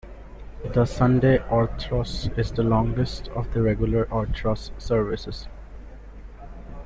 The Sunday orthros is the longest of the regular orthros services.